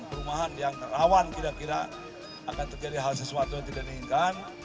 perumahan yang rawan kira kira akan terjadi hal sesuatu yang tidak diinginkan